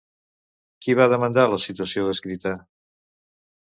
Qui va demandar la situació descrita?